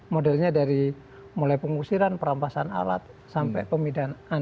modelnya dari mulai pengusiran perampasan alat sampai pemidanaan